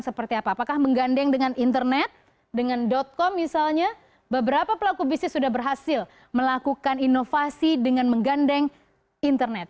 seperti apa apakah menggandeng dengan internet dengan com misalnya beberapa pelaku bisnis sudah berhasil melakukan inovasi dengan menggandeng internet